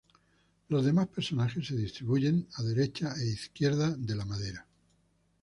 Los demás personajes se distribuyen a derecha e izquierda del madero.